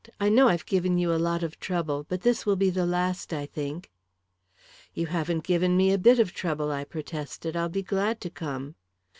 "I know I've given you a lot of trouble, but this will be the last, I think." "You haven't given me a bit of trouble," I protested. "I'll be glad to come."